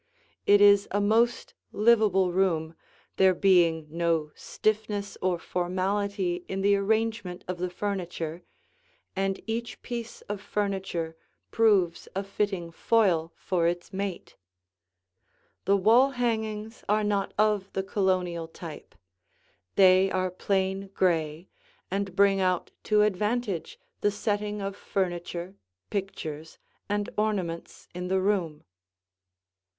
It is a most livable room, there being no stiffness or formality in the arrangement of the furniture, and each piece of furniture proves a fitting foil for its mate. The wall hangings are not of the Colonial type; they are plain gray and bring out to advantage the setting of furniture, pictures, and ornaments in the room.